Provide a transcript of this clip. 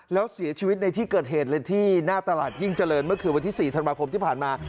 แล้วเสียชีวิตในที่เกิดเหตุเลยที่หน้าตลาดยิ่งเจริญเมื่อคืนวันที่๔ธันวาคมที่ผ่านมา